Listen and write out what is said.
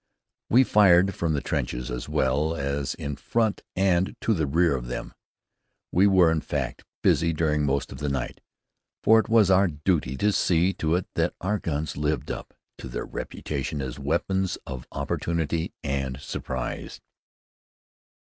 We fired from the trenches, as well as in front and to the rear of them. We were, in fact, busy during most of the night, for it was our duty to see to it that our guns lived up to their reputation as "weapons of opportunity and surprise."